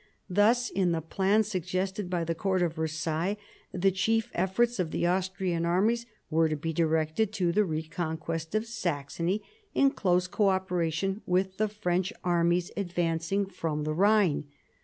Thus in the plans suggested by the court of Versailles, the chief efforts of the Austrian armies were to be directed to the reconquest of Saxony in close co operation with the French armies advancing from the Rhine.